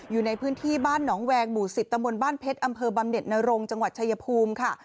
อยู่ในพื้นที่บ้านหนองแวงหมู่๑๐ตำบลบ้านเพชรอำเภอบำเน็ตนรงจังหวัดชายภูมิค่ะ